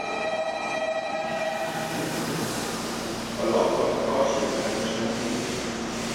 A lot of the cuts were language and nudity.